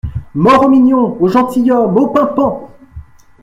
Mort au mignon !… au gentilhomme !… au pimpant !